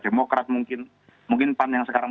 demokrat mungkin pan yang sekarang